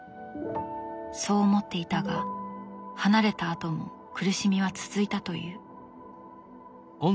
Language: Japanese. そう思っていたが離れたあとも苦しみは続いたという。